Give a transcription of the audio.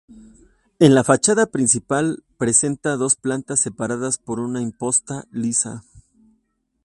En la fachada principal presenta dos plantas separadas por una imposta lisa.